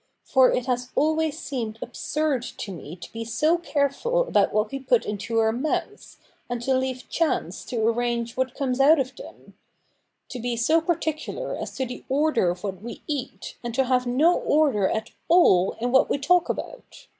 For it has always seemed absurd to me to be so careful about what we put into our mouths, and to leave chance to arrange what comes out of them ; to be so particular as to the order of what we eat, and to have no order at all in what we talk about.